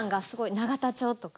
永田町とか。